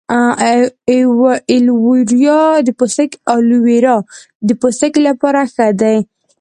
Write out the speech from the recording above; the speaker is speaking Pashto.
ایلوویرا د پوستکي لپاره ښه ده